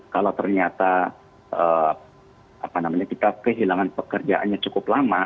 kalau ternyata kita kehilangan pekerjaannya cukup lama